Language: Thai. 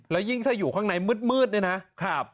แล้วยิ่งถ้าอยู่ข้างในมืดเนี่ยนะครับ